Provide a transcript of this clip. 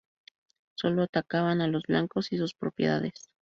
Sólo atacaban a los blancos y sus propiedades.